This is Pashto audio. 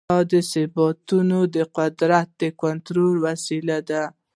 دا ثبتونه د قدرت د کنټرول وسیله وه.